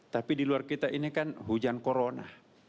tapi di luar kita ini kan hujan corona